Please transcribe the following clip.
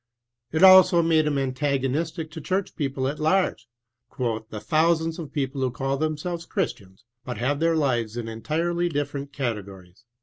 It also made him antagonistic to church people at large, " the thousands of people who call themselves Christians, but have their lives in entirely different categories."